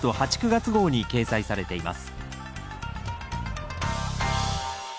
９月号に掲載されています